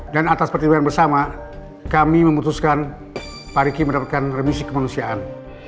dan atas pertimbangan bersama kami memutuskan pak riki mendapatkan remisi kemanusiaan